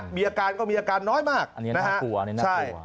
มีอาการก็มีอาการน้อยมากนะฮะอันนี้น่ากลัวใช่